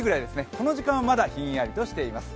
この時間はまだひんやりとしています。